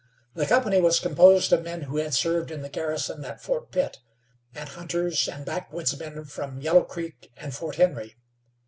The company was composed of men who had served in the garrison at Fort Pitt, and hunters and backwoodsmen from Yellow Creek and Fort Henry.